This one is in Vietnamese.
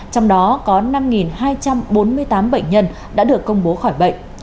trong đó có năm hai trăm bốn mươi tám bệnh nhân đã được công bố khỏi bệnh